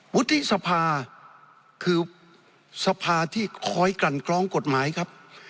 วุฒิสภาคือสภาที่คอยกลั่นกล้อกฎหมายครับ